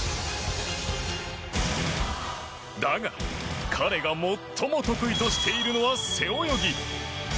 だが彼が最も得意としているのが背泳ぎ。